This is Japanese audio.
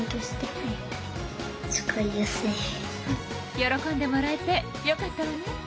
喜んでもらえてよかったわね。